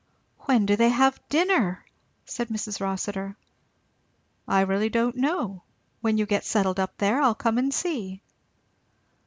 "When do they have dinner!" said Mrs. Rossitur. "I really don't know. When you get settled up there I'll come and see."